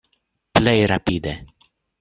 Plej rapide!